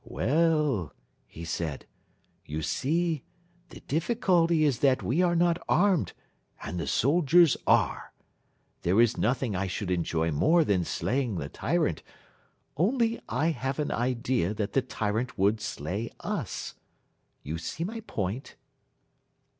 "We e ll," he said, "you see, the difficulty is that we are not armed and the soldiers are. There is nothing I should enjoy more than slaying the tyrant, only I have an idea that the tyrant would slay us. You see my point?"